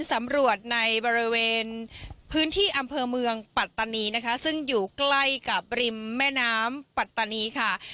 สำรวจในบริเวณพื้นที่อำเภอเมืองปัตตานีนะคะซึ่งอยู่ใกล้กับริมแม่น้ำปัตตานีค่ะ